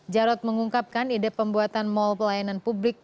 jarod mengungkapkan ide pembuatan mall pelayanan publik